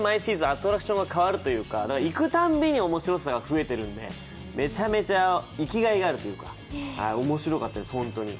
アトラクションが変わるというか、行くたんびに面白さが増えているんでめちゃめちゃ行きがいがあるというか、面白かったです、ホントに。